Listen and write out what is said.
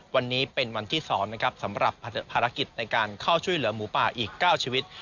วันนี้เป็นวันที่๒นะครับสำหรับภารกิจในการเข้าช่วยเหลือหมูป่าอีก๙ชีวิต